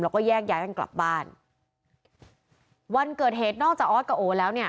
แล้วก็แยกย้ายกันกลับบ้านวันเกิดเหตุนอกจากออสกับโอแล้วเนี่ย